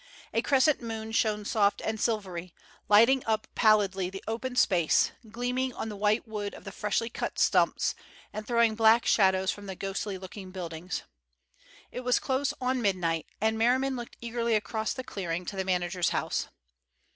A crescent moon shone soft and silvery, lighting up pallidly the open space, gleaming on the white wood of the freshly cut stumps, and throwing black shadows from the ghostly looking buildings. It was close on midnight, and Merriman looked eagerly across the clearing to the manager's house.